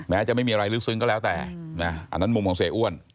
จะไม่มีอะไรลึกซึ้งก็แล้วแต่อันนั้นมุมของเสียอ้วน